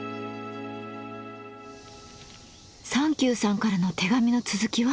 三休さんからの手紙の続きは？